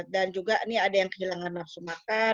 juga ini ada yang kehilangan nafsu makan